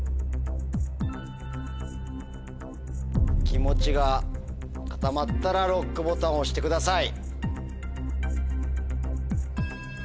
気持ちが固まったらＬＯＣＫボタン押してください。